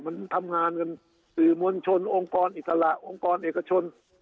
มันทำงานกันสื่อมวลชนองค์กรอิสระองค์กรเอกชน